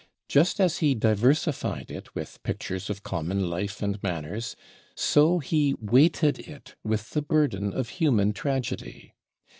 Just as he diversified it with pictures of common life and manners, so he weighted it with the burden of human tragedy.